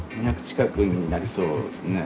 ２００近くになりそうですね。